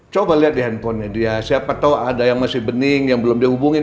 coba lihat di handphonenya dia siapa tau ada yang masih bening yang belum dihubungin